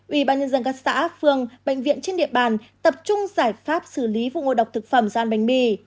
ubnd các xã phường bệnh viện trên địa bàn tập trung giải pháp xử lý vụ ngồi độc thực phẩm gian bánh mì